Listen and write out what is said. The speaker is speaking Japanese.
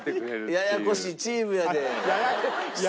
ややこしいチームやで。